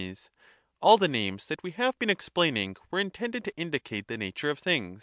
All the names that we have been explaining were in tended to indicate the nature of things.